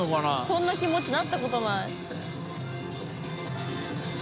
こんな気持ちなったことない。））